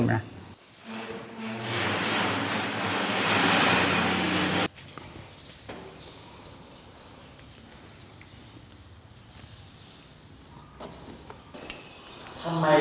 มันเป็นรายได้เสริมอยู่ตรงที่เราขยันอะไรอย่างนี้นะ